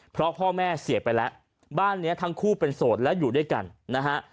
เพราะพ่อแม่เสียไปแล้วบ้านนี้ทั้งคู่เป็นโสดและอยู่ด้วยกันนะฮะ